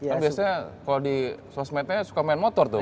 kan biasanya kalo di sosmednya suka main motor tuh